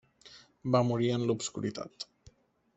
Va morir en l'obscuritat.